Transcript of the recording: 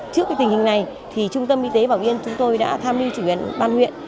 trước cái tình hình này thì trung tâm y tế bảo yên chúng tôi đã tham lưu chủ yến ban huyện